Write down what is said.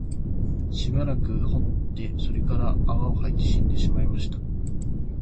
しばらく吠って、それから泡を吐いて死んでしまいました